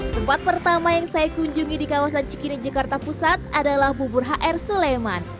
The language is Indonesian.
tempat pertama yang saya kunjungi di kawasan cikini jakarta pusat adalah bubur hr suleman